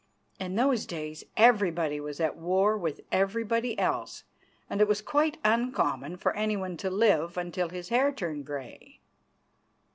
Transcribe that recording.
In those days everybody was at war with everybody else, and it was quite uncommon for anyone to live until his hair turned grey.